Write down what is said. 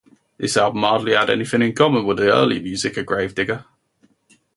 This album hardly had anything in common with the earlier music of Grave Digger.